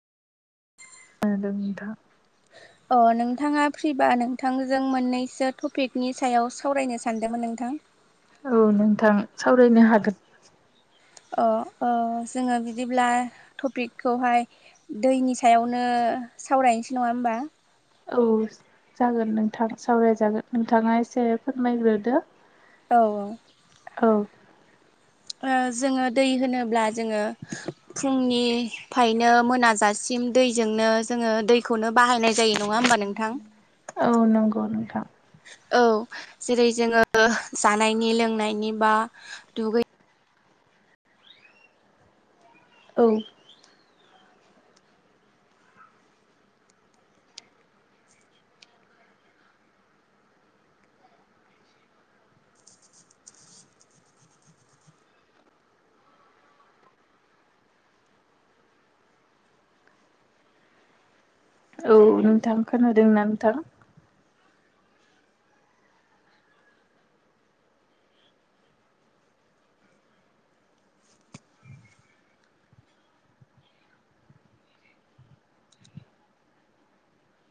खोनादों नोंथां। अ नोंथाङा फ्रिबा नोंथांजों मोननैसो टपिकनि सायाव सावरायनो सानदोंमोन नोंथां। औ नोंथां सावरायनो हागोन। अ ओ जोङो बिदिब्ला टपिकखौहाय दैनि सायावनो [unintelligible] सावरायनोसै नङा होमबा? औ जागोन नोंथां सावराय जागोन नोंथाङा एसे फोरमायग्रोदो। औ औ। औ। ओ जोङो दै होनोब्ला जोङो फुंनिफायनो मोनाजासिम दैजोंनो जोङो दैखौनो बाहायनाय जायो नङा होमबा नोंथां? औ नंगौ नोंथां। औ, जेरै जोङो जानायनि लोंनायनि बा दुगै औ। औ नोंथां खोनादोंना नोंथां?